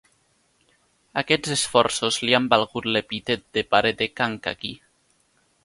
Aquests esforços li han valgut l'epítet de Pare de Kankakee.